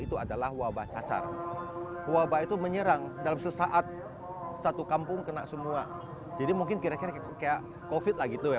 puluhan ribu warga singkawang memadati jalanan